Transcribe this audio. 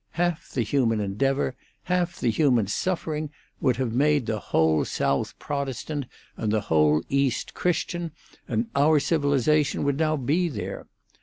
Half the human endeavour, half the human suffering, would have made the whole South Protestant and the whole East Christian, and our civilisation would now be there.